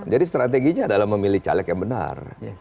jadi strateginya adalah memilih celek yang benar